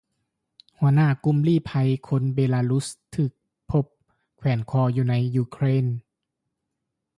ຫົວໜ້າກຸ່ມລີ້ໄພຄົນເບລາຣຸດ ຖືກພົບແຂວນຄໍ ໃນຢູເຄຣນ